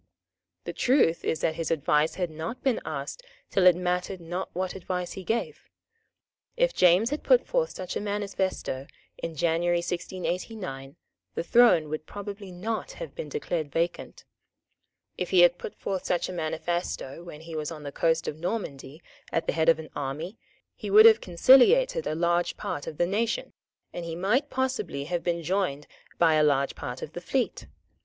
The truth is that his advice had not been asked till it mattered not what advice he gave. If James had put forth such a manifesto in January 1689, the throne would probably not have been declared vacant. If he had put forth such a manifesto when he was on the coast of Normandy at the head of an army, he would have conciliated a large part of the nation, and he might possibly have been joined by a large part of the fleet.